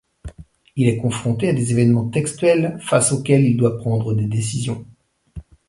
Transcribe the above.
Il est confronté à des événements textuels face auxquels il doit prendre des décisions.